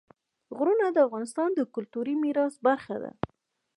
غرونه د افغانستان د کلتوري میراث برخه ده.